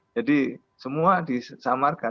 jadi semua disamarkan